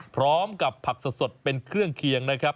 พร้อมกับผักสดเป็นเครื่องเคียงนะครับ